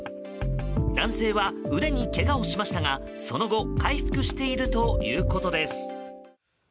男性は腕にけがをしましたがその後回復しているということです。